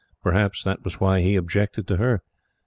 Perhaps that was why he objected to her.